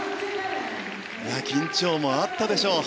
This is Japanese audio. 緊張もあったでしょう。